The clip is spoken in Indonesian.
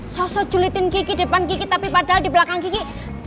sosok julitin kiki depan gigi tapi padahal di belakang gigi